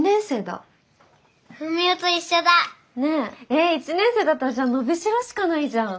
えっ１年生だったらじゃあ伸びしろしかないじゃん。